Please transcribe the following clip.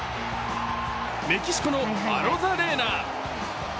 メキシコのアロザレーナ。